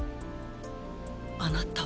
あなたは？